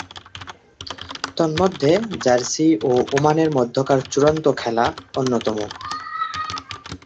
তন্মধ্যে জার্সি ও ওমানের মধ্যকার চূড়ান্ত খেলা অন্যতম।